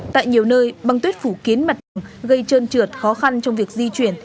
tại nhiều nơi băng tuyết phủ kiến mặt đường gây trơn trượt khó khăn trong việc di chuyển